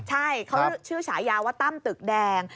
ใช่เขาชื่อฉายาว่าตั้มตึกแดง